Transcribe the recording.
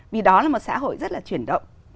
vì đó là một xã hội rất là chuyển động